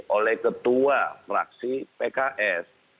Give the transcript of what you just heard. oleh ketua fraksi pks